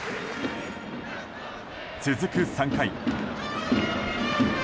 続く３回。